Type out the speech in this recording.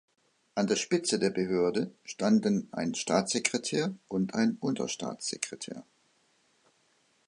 An der Spitze der Behörde standen ein Staatssekretär und ein Unterstaatssekretär.